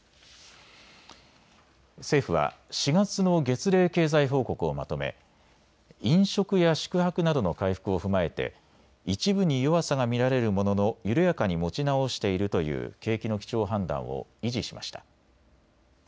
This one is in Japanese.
政府は４月の月例経済報告をまとめ飲食や宿泊などの回復を踏まえて一部に弱さが見られるものの緩やかに持ち直しているという景気の基調判断を維持しました。